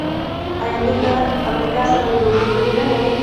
آیا دوی له امریکا سره دښمني نلري؟